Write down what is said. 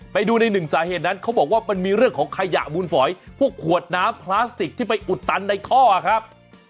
ไปดูในหนึ่งสาเหตุนั้นเขาบอกว่ามันมีเรื่องของขยะมูลฝอยพวกขวดน้ำพลาสติกที่ไปอุดตันในท่อครับ